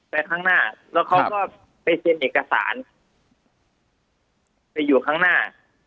ข้างหน้าแล้วเขาก็ไปเซ็นเอกสารไปอยู่ข้างหน้า